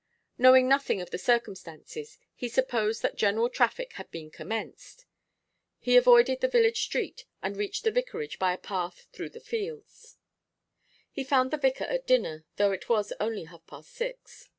Knowing nothing of the circumstances, he supposed that general traffic had been commenced. He avoided the village street, and reached the Vicarage by a path through fields. He found the vicar at dinner, though it was only half past six.